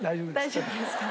大丈夫ですか？